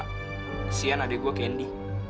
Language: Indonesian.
kesian adek gua candy